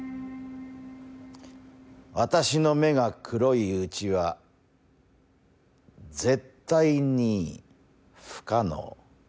私の目が黒いうちは絶対に不可能。